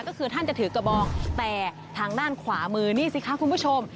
ก็คือท่านจะถือกระบองแต่ทางด้านขวามือนี่สิคะคุณผู้ชม